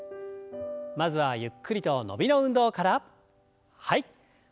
まずはゆっくりと伸びの運動から。